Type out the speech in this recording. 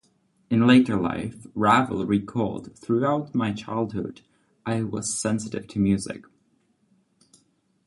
In later life, Ravel recalled, Throughout my childhood I was sensitive to music.